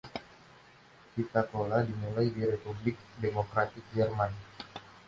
Vita Cola dimulai di Republik Demokratik Jerman.